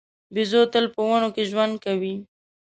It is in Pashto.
بیزو تل په ونو کې ژوند کوي.